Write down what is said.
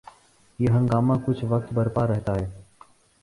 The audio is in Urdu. یہ ہنگامہ کچھ وقت برپا رہتا ہے۔